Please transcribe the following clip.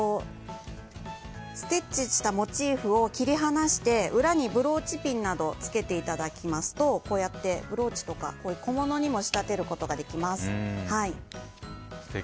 ステッチしたモチーフを切り離して裏にブローチピンなどをつけていただきますとこうやってブローチとか小物にも仕立てることができます。